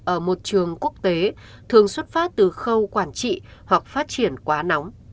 ở một trường quốc tế thường xuất phát từ khâu quản trị hoặc phát triển quá nóng